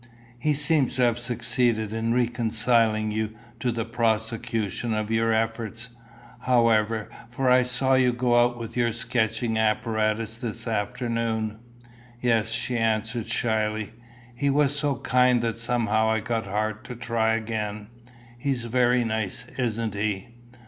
"He seems to have succeeded in reconciling you to the prosecution of your efforts, however; for I saw you go out with your sketching apparatus this afternoon." "Yes," she answered shyly. "He was so kind that somehow I got heart to try again. He's very nice, isn't he?"